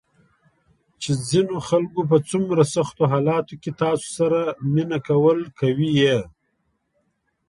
چې ځینو خلکو په څومره سختو حالاتو کې تاسو سره مینه کوله، کوي یې ~